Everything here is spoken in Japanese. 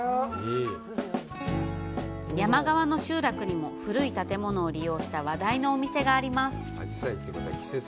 山側の集落にも、古い建物を利用した話題のお店があります。